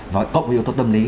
và cộng với yếu tố tâm lý